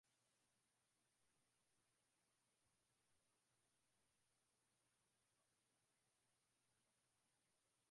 inna la ilaha ila allah wa Muhamad rasul ullah Nakiri ya kwamba Mungu